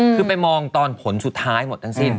คือไปมองตอนผลสุดท้ายหมดทั้งสิ้น